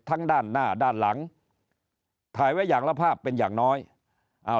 ด้านหน้าด้านหลังถ่ายไว้อย่างละภาพเป็นอย่างน้อยอ่า